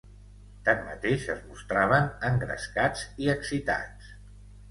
Tanmateix es mostraven engrescats i excitats